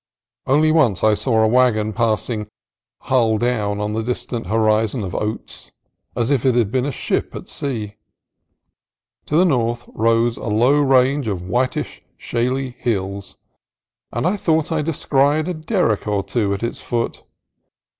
Only once I saw a wagon passing "hull down" on the distant horizon of oats, as if it had been a ship at sea. To the north rose a low range of whitish shaly hills, and I thought I descried a derrick or two at its foot.